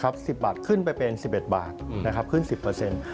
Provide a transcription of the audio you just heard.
๑๐บาทขึ้นไปเป็น๑๑บาทขึ้น๑๐